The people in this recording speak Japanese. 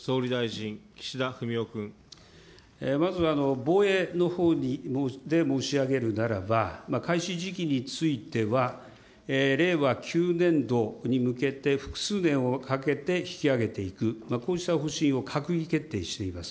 まず、防衛のほうで申し上げるならば、開始時期については、令和９年度に向けて、複数年をかけて引き上げていく、こうした方針を閣議決定しています。